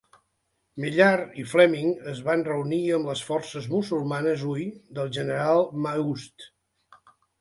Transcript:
Maillart i Fleming es van reunir amb les forces musulmanes Hui del General Ma Hush.